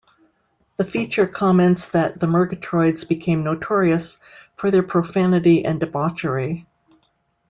The feature comments that the Murgatroyds became notorious "for their profanity and debauchery".